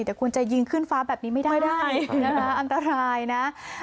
แต่คุณจะยิงขึ้นฟ้าแบบนี้ไม่ได้นะคะอันตรายนะ